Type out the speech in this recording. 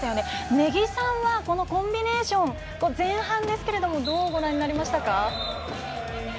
根木さんはこのコンビネーション前半ですけれどもどうご覧になりましたか？